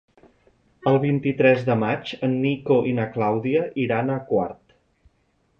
El vint-i-tres de maig en Nico i na Clàudia iran a Quart.